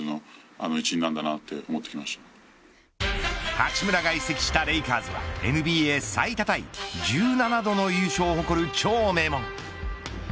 八村が移籍したレイカーズはＮＢＡ最多タイ１７度の優勝を誇る超名門。